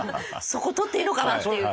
そこ取っていいのかな？っていう。